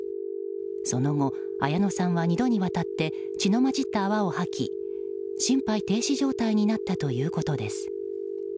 その後、綾野さんは２度にわたって血の混じった泡を吐き心肺停止状態になったということです。